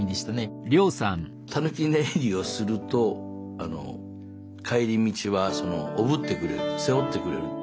タヌキ寝入りをすると帰り道はおぶってくれる背負ってくれる。